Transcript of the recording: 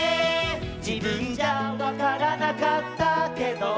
「じぶんじゃわからなかったけど」